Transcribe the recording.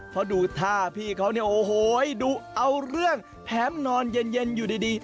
เพราะดูท่าพี่เขาเนี่ยโอ้โหดูเอาเรื่องแถมนอนเย็นอยู่ดี